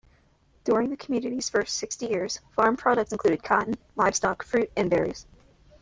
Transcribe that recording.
During the community's first sixty years, farm products included cotton, livestock, fruit, and berries.